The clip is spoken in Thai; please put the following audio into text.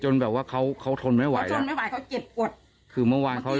เล็กจนโต